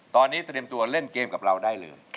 ตอนนี้เตรียมตัวเล่นเกมกับเราได้เลย